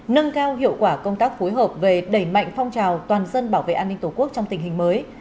nâng cao hiệu quả công tác phối hợp về đẩy mạnh phong trào toàn dân bảo vệ an ninh tổ quốc trong tình hình mới